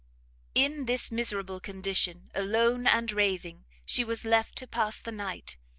In this miserable condition, alone and raving, she was left to pass the night!